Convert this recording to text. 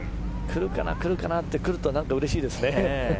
来るかな、来るかなとなると何かうれしいですね。